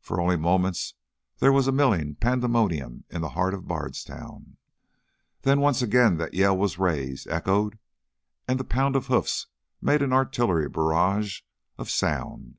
For only moments there was a milling pandemonium in the heart of Bardstown. Then once again that Yell was raised, echoed, and the pound of hoofs made an artillery barrage of sound.